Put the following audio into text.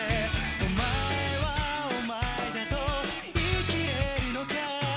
「お前はお前だと言いきれるのか？」